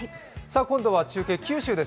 今度は中継、九州です。